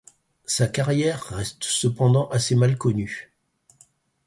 Sa carrière reste cependant assez mal connue.